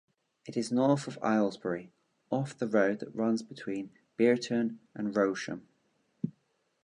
It is north of Aylesbury, off the road that runs between Bierton and Rowsham.